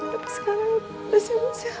terus sekarang ada siapa siapa